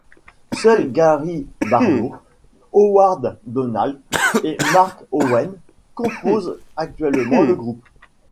Seuls Gary Barlow, Howard Donald et Mark Owen composent actuellement le groupe.